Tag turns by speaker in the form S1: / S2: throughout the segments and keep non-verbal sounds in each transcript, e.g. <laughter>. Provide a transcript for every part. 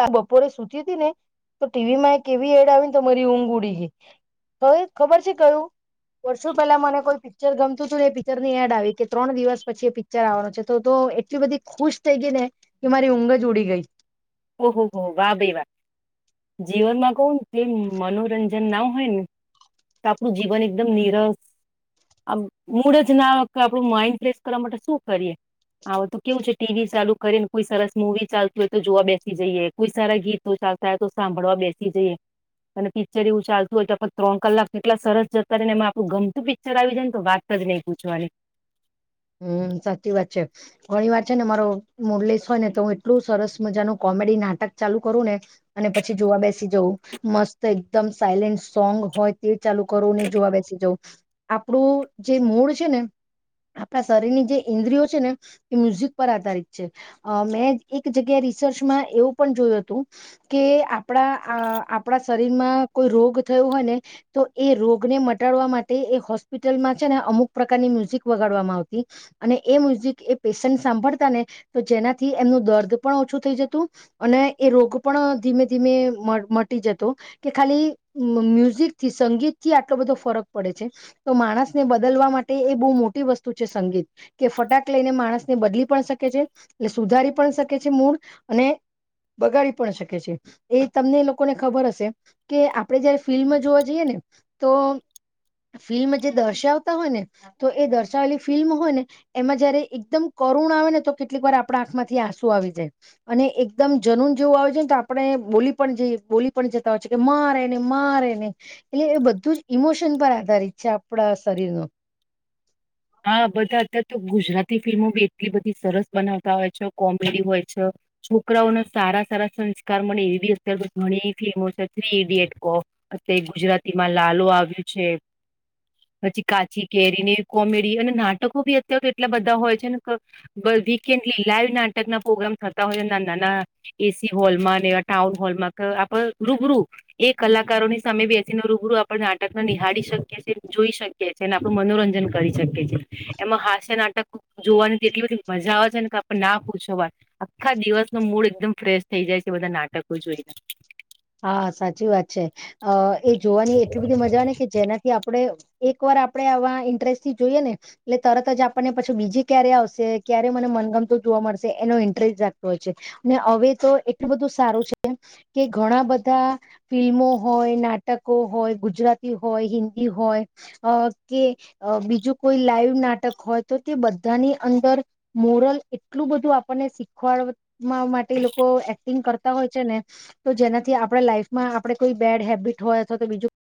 S1: આ બપોરે સુતી હતી ને તો ટીવીમાં એક એવી એડ આવી ને તો મારી ઊંઘ ઉડી ગઈ હવે ખબર છે કયું વર્ષો પહેલા મને કોઈ પિક્ચર ગમતું હતું ને એ પિક્ચર ની એડ આવી કે ત્રણ દિવસ પછી એ પિક્ચર આવવાનો છે તો તો એટલી બધી ખુશ થઈ ગઈ ને કે મારી ઊંઘ જ ઉડી ગઈ.
S2: ઓહો હો વાભાઈ વા જીવનમાં કો જે મનોરંજન ના હોય ને તો આપણું જીવન એકદમ નિરસ આમ મૂળ જ ના આપણું માઈન્ડ ફ્રેશ કરવા માટે શું કરીએ આ તો કેવું છે ટીવી ચાલુ કરી ને કોઈ સરસ મવી ચાલતું હોય તો જોવા બેસ જઈએ કોઈ સારા ગીતો ચાલતા હોય તો સાંભળવા બેસી જઈએ અને પિક્ચર એવું ચાલતું હોય તો ત્રણ કલાક કેટલા સરસ જતા ર ને એમાં આપણું ગમતું પિક્ચર આવી જાય ને તો વાત જ નહી પૂછવાની.
S1: હમ સાચી વાત છે ઘણી વાર છે ને મારો મુડલીસ હોય ને તો હું એટલું સરસ મજાનું કોમેડી નાટક ચાલુ કરું ને અને પછી જોવા બેસી જઉં મસ્ત એકદમ સાયલેન્ટ સોંગ હોય તે ચાલુ કરવું નહી જોવા બેસી જવું. આપણું જે મૂળ છે ને. આપણા શરીરની જે ઇન્દ્રિયો છે ને એ મ્યુઝિક પર આધારિત છે મેં એક જગ્યા રિસર્ચમાં એવું પણ જોયું હતું કે આપણા આ આપણા શરીરમાં કોઈ રોગ થયો હોય ને તો એ રોગને મટાડવા માટે એ હોસ્પિટલમાં છે ને અમુક પ્રકારની મ્યુઝિક વગાડવામાં આવતી અને એ મ્યુઝિક એ પેશન્ટ સાંભળતા ને તો જેનાથી એમનું દર્દ પણ ઓછું થઈ જતું અને એ રોગ પણ ધીમે ધીમે મટી જતો કે ખાલી મ્યુઝિક થી સંગીત થી આટલો બધો ફરક પડે છે તો માણસને બદલવા માટે એ બહુ મોટ સંગીત કે ફટાક લઈને માણસને બદલી પણ શકે છે એટલે સુધારી પણ શકે છે મૂળ અને બગાડી પણ શકે છે એ તમને એ લોકોને ખબર હશે કે આપણે જયારે ફિલ્મ જોવા જઈએ ને તો ફિલ્મ જે દર્શાવતા હોય ને તો એ દર્શ વેલી લ ફિલ્મ હોય ને એમાં જયારે એકદમ કરુણ આવે ને તો કેટલીક વાર આપણા આંખમાંથી આંસુ આવી જાય અને એકદમ જનુન જેવું આવે જાય ને તો આપણે બોલી પણઈ બોલી પણ જતા હોય છે કે મારે ને મારે ને એટલે એ બધું જ ઈમોશન પર આધારિત છે આપણા શરીર નો.
S2: હા બધા અત્યારે તો ગુજરાતી ફિલ્મો બી એટલી બધી સરસ બનાવતા હોય છે કોમેડી હોય છે છોકરાઓના સારા સારા સંસ્કાર મળે એવી અત્યારે તો ઘણી ફિલ્મો છે થ્રી ઈડિયટ કો અ ગુજરાતીમાં લાલો આવ્યું છે પછી કાચી કેરીને કોમેડી અને નાટકો બી અત્યારે તો એટલા બધા હોય છે ને વીકેન્ડલી લાઈવ નાટક ના પ્રોગ્રામ થતા હોય છે ના નાના એસી હોલમાં ને ટાઉન હોલમાં કે આપડ રૂબરૂ એ કલાકારોની સામે બેસીને રૂબરૂ આપણે નાટકને નિહાળી શકીએ છીએ જોઈ શકીએ છીએ અને આપણું મનોરંજન કરી શકીએ છીએ એમાં હાસ્ય નાટક જોવાની તો એટલી બધી મજા આવે છે ને કે આપણે ના પૂછવા આખા દિવસ ન મૂડ એકદમ ફ્રેશ થઈ જાય છે બધા નાટકો જોઈને.
S1: હા સાચી વાત છે અ એ જોવાની એટલી બધી મજા આવે ને કે જેનાથી આપડે એક વાર આપણે આવા ઇન્ટરેસ્ટ થી જોઈએ ને એટલે તરત જ આપણને પછી બીજે ક્યારે આવશે ક્યારે મને મનગમતું જોવા મળશે એનો ઇન્ટરેસ્ટ જાગતો હોય છે અને હવે તો એટલું બધું સારું છે કે ઘણા બધા ફિલ્મો હોય નાટકો હોય ગુજરાતી હોય હિન્દી હોય અ કે અ બીજું કોઈ લાઈવ નાટક હોય તો તે બધાની અંદર મોરલ એટલું બધું આપણને શીખવાડ માટે લોકો એક્ટિંગ કરતા હોય છે ને. તો જેનાથી આપણે લાઈફમાં આપડે કોઈ બેડ હેબિટ હોય અથવા તો બીજું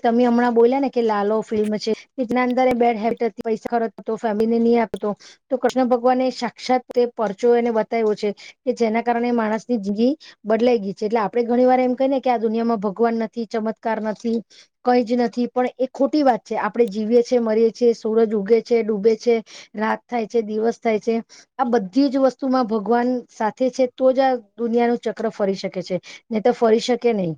S1: તમે હમણાં બોલ્યા ને કે લાલો ફિલ્મ છે કેના અંદર બેડ હેબિટ પૈસા ખર્ચતો હતો ફેમલીને ની આપતો તો કૃષ્ણ ભગવાન એ સાક્ષાત એ પરચો એને બતાવ્યો છે કે જેના કારણે માણસ ની જિગી બદલાઈ ગઈ છે એટલે આપણે ઘણી વાર એમ કહીને કે આ દુનિયામાં ભગવાન નથી ચમત્કાર નથી કંઈ જ નથી પણ એ ખોટી વાત છે આપણે જીવીએ છીએ મરીએ છીએ સૂરજ ઉગે છે ડૂબે છે રાત થાય છે દિવસ થાય છે આ બધી જ વસ્તુમાં ભગવાન સાથે છે તો જ આ દુનિયાનું ચક્ર ફરી શકે છે નહી તો ફરી શકે નહીં.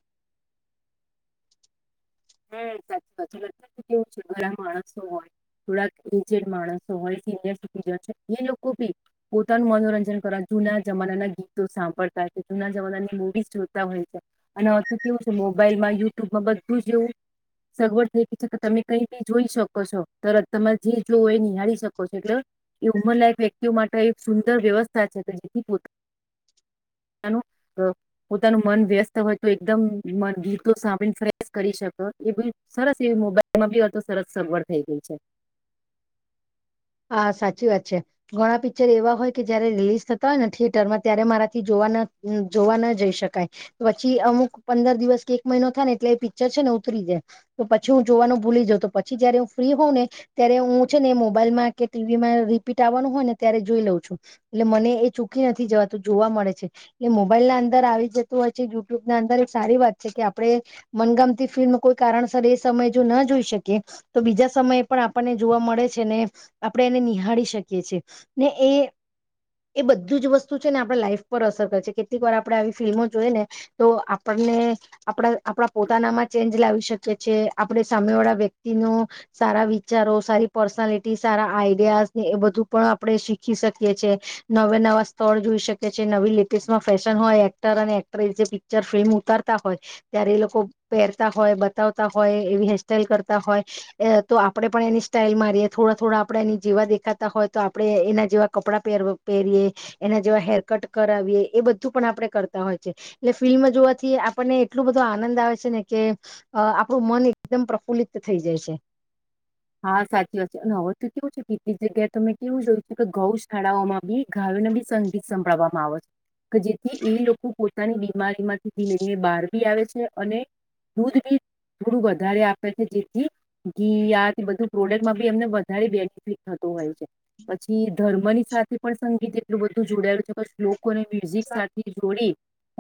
S2: હા સાચ સાચી વાત કેવું છે ઘણા માણસો હોય થોડાક એજડ માણસો હોય સિનિયર સીટી એ લોકો બી પોતાનું મનોરંજન કરવા જૂના જમાનાના ગીતો સાંભળતા હોય છે, જૂના જમાનાની મુવી જોતા હોય છે અનેતું કેવું છે મોબાઈલમાં યુટ્યુબમાં બધું <unintelligible> સગવડ થઈ તમે કઈ ક જોઈ શકો છો તર તમે જે જો એ નિહાળી શકો છો એટલે એ ઉમરલાયક વ્યક્તિઓ માટે એક સુંદર વ્યવસ્થા છે કે જેથી પો પો પોતાનું અ મન વ્યસ્ત હોય તો એકદમ મ ગીતો સાંભળીને ફ્રેશ કરી શકો. એ બ સરસ એવી મોબાઈલમાં બી તો સરસ સગવડ થઈ ગઈ છે.
S1: હા સાચી વાત છે. ઘણા પિક્ચર એવા હોય કે જયારે રિલીઝ થતા હોય ને થિયેટરમાં ત્યારે મારાથી જોવા જોવા ના જઈ શકાય. પછી અમુક પંદર દિવસ કે એક મહિનો થાય ને એટલે એ પિક્ચર છે ને ઉતરી જાય. તો પછી હું જોવાનું ભૂલી જાઉ તો પછી જયારે હું ફ્રી હોઉં ને ત્યારે હું છે ને મોબાઈલમાં કે ટીવીમાં રીપીટ આવવાનું હોય ને ત્યારે જોઈ લઉં છું એટલે મને એ ચૂકી નથી જવાતું જોવા મળે છે. એલે મોબાઈલ ના અંદર આવી જતું હોય છે યુટ્યુબ ના અંદર સારી વાત છે કે આપણે મનગામતી ફિલ્મ કોઈ કારણસર એ સમયે જો ના જોઈ શકીએ. તો બીજા સમયે પણ આપણને જોવા મળે છે ને આપણે એને નિહાળી શકીએ છીએ. ને એ એ બધું જ વસ્તુ છે ને આપણે લાઈફ પર અસર કરે છે કેટલીક વાર આપણે આવી ફિલ્મો જોઈએ ને તો આપણને આપણા આપણા પોતાનામાં ચેન્જ લાવી શકીએ છીએ, આપણે સામે વાળા વ્યક્તિનો સારા વિચારો સારી પર્સનાલિટી સારા આઈડિયાઝ ને એ બધું પણ આપણે શીખી શકીએ છીએ. નવે નવા સ્થળ જોઈ શકીએ છીએ નવી લેટેસ્ટમાં ફેશન હોય એક્ટર અને એક્ટ્રેસ જે પિક્ચર ફિલ્મ ઉતારતા હોય, ત્યારે એ લોકો પહેરતા હોય, બતાવતા હોય એવી હેરસ્ટાઈલ કરતા હોય તો આપણેે પણ એની સ્ટાઈલ મારીએ થોડા થોડા આપણે એની જેવા દેખાતા હોય તો આપણે એના જેવા કપડાં પર પહેરીએ એના જેવા હેરકટ કરાવીએ એ બધું પણ આપણે કરતા હોય છે એટલે ફિલ્મ જોવાથી આપણને એટલું બધો આનંદ આવે છે ને કે અ આપણું મન એકદમ પ્રફુલ્લિત થઈ જાય છે.
S2: હા સાચીવાત છે અને હવે તો કેવું છે કેટલીક જગ્યાએ તમે કેવું જોયું છે કે ગૌશાળાઓમાં બી ગાયોને બી સંગીત સંભળાવવામાં આવે છે કે જેથી એ લોકો પોતાની બીમારીમાંથી ધીમે ધીમે બહાર બી આવે છે અને દૂધ બી થોડું વધારે આપે છે જેથી બધું પ્રોડક્ટમાં બી એમને વધારે બેનિફિટ થતું હોય છે પછી ધર્મની સાથે પણ સંગીત એટલું બધું જોડાયેલું છે કે ને મ્યુઝિક સાથે જોડી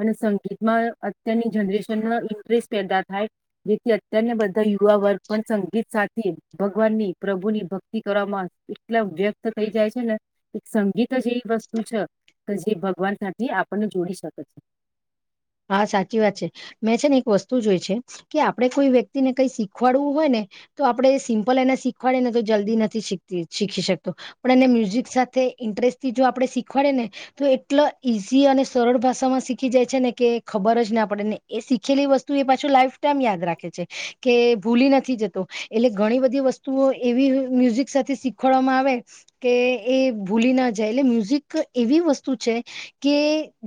S2: અને સંગીતમાં અત્યારની જનરેશનમાં ઇન્ટરેસ્ટ પેદા થાય જેથી અત્યારના બધા યુવા વર્ગ પણ સંગીત સાથે ભગવાન ની પ્રભુ ની ભક્તિ કરવામાં એકલમ વ્યક્ત થઈ જાય છે ને એક સંગીત જેવી વસ્તુ છે. તે ભગવાન સાથેથી આપણને જોડી શકે છે.
S1: હા સાચી વાત છે મેં છે ને એક વસ્તુ જોય છે કે આપડે કોઈ વ્યક્તિને કઈ શીખવાડવું હોય ને તો આપડે સિમ્પલ એને શીખવાડે ને તો જલ્દી નથી શીખતી શીખી શકતા. પણ એ મ્યુઝિક સાથે. ઇન્ટરેસ્ટથી જો આપણે શીખવાડેએ ને તો એટલો ઈઝી અને સરળ ભાષામાં શીખી જાય છે ને. કે ખબર જ ના પડે ને એ શીખેલી વસ્તુ એ પાછું લાઈફ ટાઈમ યાદ રાખે છે કે ભૂલી નથી જતો એટલે ઘણી બધી વસ્તુઓ એવી મ્યુઝિક સાથે શીખવાડવામાં આવે કે એ ભૂલી ના જાય એટલે મ્યુઝિક એવી વસ્તુ છે કે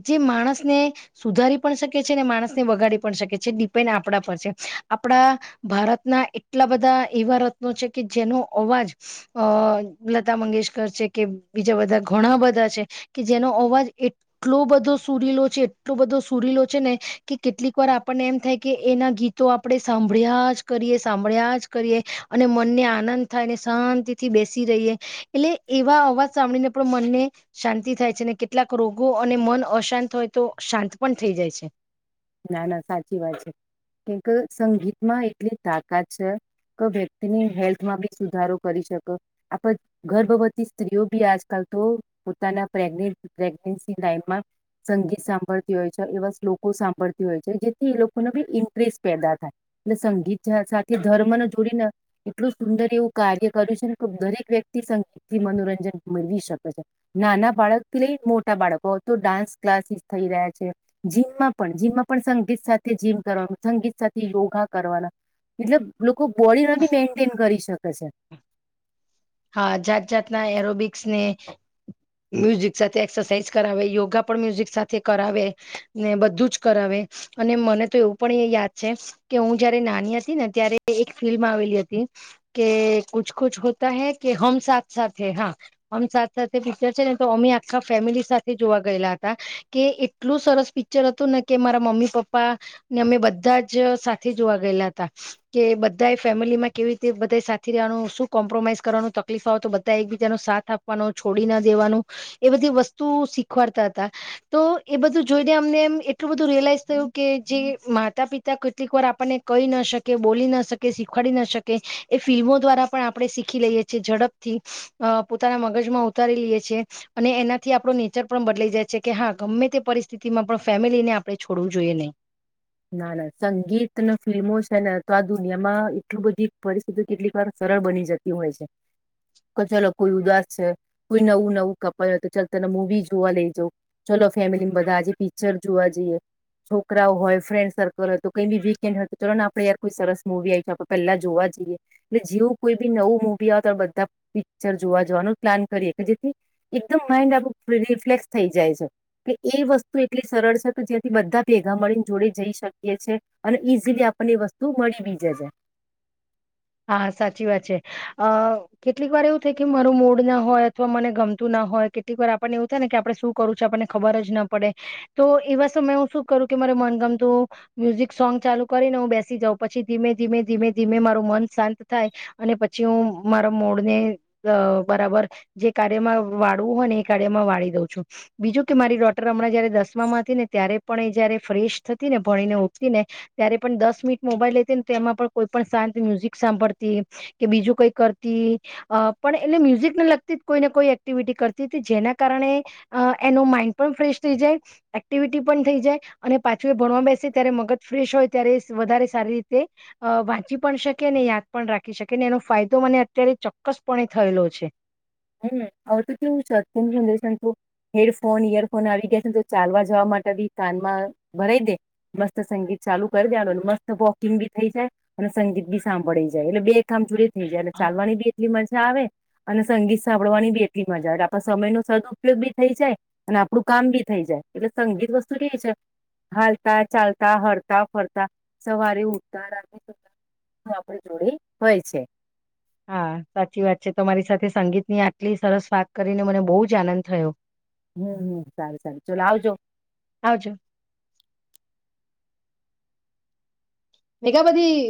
S1: જે માણસને. સુધારી પણ શકે છે ને માણસને વગાડી પણ શકે છે ડિપેન્ડ આપણા પર છે આપડા ભારતના એટલા બધા એવા રત્નો છે કે જેનો અવાજ અ લતા મંગેશકર છે કે બીજા બધા ઘણા બધા છે કે જેનો અવાજ એટલો બધો સુરીલો છે. એટલો બધો સુરીલો છે ને કે કેટલીક વાર આપણને એમ થાય કે એના ગીતો આપણે સાંભળ્યા જ કરીએ સાંભળ્યા જ કરીએ અને મનને આનંદ થાયને શાંતિ થી બેસી રહીએ એટલે એવા અવાજ સાંભળીને પણ મનને શાંતિ થાય છે ને કેટલાક રોગો અને મન અશાંત હોય તો. શાંત પણ થઈ જાય છે.
S2: ના ના સાચી વાત છે કેમ કે સંગીતમાં એટલી તાકાત છે કે વ્યક્તિની હેલ્થમાં બી સુધારો કરી શકે આપ ગર્ભવતી સ્ત્રીઓ બી આજકાલ તો પોતાના પ્રેગને પ્રેગ્નેન્સી લાઈમમાં સંગીત સાંભળતી હોય છે એવા શ્લોકો સાંભળ. જે લોકોી ઇન્ટરેસ્ટ પેદા થાય એટલે સંગીત સાથે ધર્મને જોડીને એટલું સુંદર એવું કાર્ય કર્યું છે ને દરેક વ્યક્તિ સંગીત થી મનોરંજન મેળવી શકે છે નાના બાળક થી લઈ મોટા બાળકો તો ડાન્સ ક્લાસીસ થઈ રહ્યા છે જીમમાં પણ જીમ. પણ સંગીત સાથે જીમ કરવાનું સંગીત સાથે યોગા કરવાના મતલબ. કો બોડી નથી મેન્ટેન કરી શકતો પ છે.
S1: હા જાત જાતના એરોબિક્સ ને. મ્યુઝિક સાથે એક્સરસાઇઝ કરાવે યોગા પણ મ્યુઝિક સાથે કરાવે ને બધું જ કરાવે અને મને તો એવું પણ યાદ છે કે હું જયારે નાની હતી ને ત્યારે એક ફિલ્મ આવેલી હતી કે કુછ કુછ હોતા હે કે હમ સાથે સાથે હા હમ સાથે સાથે હૈ પ્ચર છે ને તો અમે આખા ફેમિલી સાથે જોવા ગયેલા હતા કે એટલું સરસ પિક્ચર હતું ને કે મારા મમ્મી પપ્પા ને અમે બધા જ સાથે જોવા ગયેલા હતા કે બધા એ ફેમિલી માં કેવી રીતે બધા સાથે રહેવાનું શું કોમ્પ્રોમાઈઝ કરવાનું તકલીફ આવે તો બધા એક બીજાનો સાથ આપવાનો છોડીના દેવાનું એ બધી વસ્તુ શીખવાડતા હતા તો એ બધું જોઈને અમને એમ એટલું બધું રિયલાઈઝ થયું કે જે માતા પિતા કેટલીક વાર આપણને કહી ના શકે બોલી ના શકે શીખવાડી ના શકે એ ફિલ્મો દ્વારા પણ આપણે શીખી લઈએ છીએ ઝડપથી અ પોતાના મગજમાં ઉતારી લઈએ છે અને એનાથી આપો નેચર પણ બદલાઈ જાય છે કે હા ગમે તે પરિસ્થિતિમાં પણ ફેમિલીને આપણે છોડવું જોઈએ નહીં.
S2: ના ના સંગીત અને ફિલ્મો છે ને તો આ દુનિયામાં એટલી બધી પરિસ્થિતિ કેટલી વાર સરળ બની જતી હોય છે કે ચલો કોઈ ઉદાસ છે કોઈ નવું નવું કપલ હોય તો ચાલ તને મૂવી જોવા લઈ જઉ ચલો ફેમિલી બધા આજે પિચર જોવા જઈએ છોકરાઓ હોય ફ્રેન્ડ સર્કલ હતો કઈ બી વીક એન્ડ તો ચાલ ને આપડણે યાર કોઈ સરસ મુવી આવીશ આપણે પહેલા જોવા જઈએ એટલે જેવું કોઈ બી નવું મુવી આવ તો આપ બધા પિક્ચર જોવા જવાનું પ્લાન કરીએ કે જેથી એકદમ માઈન્ડ આપ રિફ્લેક્સ થઈ જાય છે કે એ વસ્તુ એટલી સરળ છે કે જેયાંથી બધા ભેગા મળીને જોડે જઈ શકીએ છ છે અને ઈઝીલી આપણને એ વસ્તુ મળી બી જાય જ
S1: હા સાચી વાત છે અ કેટલીક વાર એવું થાય કે મારું મૂડ ના હોય અથવા મને ગમતું ના હોય કેટલીક વાર આપણને એવું થાય ને કે આપડણે શું કરું છે આપણને ખબર જ ના પડે તો એવા સમય હું શું કરું કે મારે મન ગમતું મ્યુઝિક સોંગ ચાલુ કરીને હું બેસી જાઉં પછી ધીમે ધીમે ધીમે ધીમે મારું મન શાંત થાય અને પછી હું મારા મોડને અ બરાબર જે કાર્યમાં વાળવું હોય ને એ કાર્યમાં વાળી દઉં છું બીજું કે મારી ડોટર હમણાં જયારે દસમામાં હતી ને ત્યારે પણ એ જયારે ફ્રેશ થતી ને ભણીને ઉઠતી ને ત્યારે પણ દસ મિનિટ મોબાઈલ લેતી ને તો એમાં પણ કોઈ પણ શાંત મ્યુઝિક સાંભળતી કે બીજું કઈ કરતી પણ એટલે મ્યુઝિકને લગતી જ કોઈને કોઈ એક્ટિવિટી કરતી હતી જેના કારણે એનો માઈન્ડ પણ ફ્રેશ થઈ જાય એક્ટિવિટી પણ થઈ જાય અને પાછું એ ભણવા બેસે ત્યારે મગજ ફ્રેશ હોય ત્યારે વધારે સારી રીતે અ વાંચી પણ શ કે ને યાદ પણ રાખી શકે ને એનો ફાયદો મને અત્યારે ચોક્કસપણે થયેલો છે.
S2: હમ્મ હવે તો કેવું છે <unintelligible> હેડફોન ઈયરફોન આવી ગયા છેને તો ચાલવા જવા માટે બી કાનમાં ભરાઈ દે મસ્ત સંગીત ચાલુ કરી દેવાનું મસ્ત વોકિંગ બી થઈ જાય અને સંગીત બી સાંભળી જાય એટલે બે કામ જોડ થઈ જાય. અને ચાલવાની બી એટલી મજ જા આવે અને સંગીત સાંભળવાની બી એટલી મજા આવેટલે આપ સમય નો સદઉપયોગ બી થઈ જાય અને આપડું કામ બી થઈ જાય એટલે સંગીત વસ્તુ કે છે હાલતા ચાલતા હરતા ફરતા સવારે ઉઠતા રાતે આપ જોડે હોય છે.
S1: હા સાચી વાત છે તમારી સાથે સંગીતની આટલી સરસ વાત કરીને મને બહુ જ આનંદ થયો.
S2: હમ્મ-હમ્મ સારું-સારું ચલો આવજો
S1: આવજો મેગા બધી